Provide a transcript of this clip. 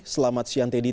selamat siang teddy